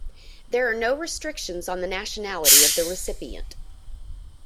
There are no restrictions on the nationality of the recipient.